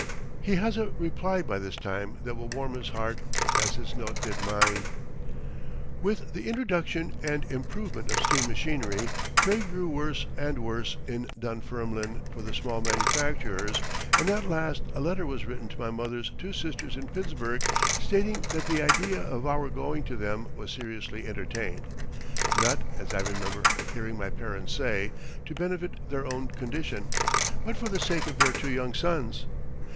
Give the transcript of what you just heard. He has a reply by this time that will warm his heart as his note did mine.] With the introduction and improvement of steam machinery, trade grew worse and worse in Dunfermline for the small manufacturers, and at last a letter was written to my mother's two sisters in Pittsburgh stating that the idea of our going to them was seriously entertained not, as I remember hearing my parents say, to benefit their own condition, but for the sake of their two young sons.